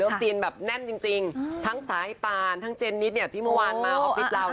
ซีนแบบแน่นจริงทั้งสายปานทั้งเจนนิดเนี่ยที่เมื่อวานมาออฟฟิศเรา